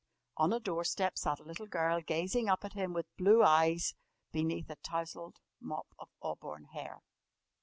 On a doorstep sat a little girl, gazing up at him with blue eyes beneath a tousled mop of auburn hair.